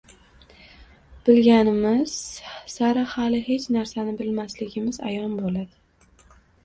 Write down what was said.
Bilganimiz sari hali hech narsani bilmasligimiz ayon bo‘ladi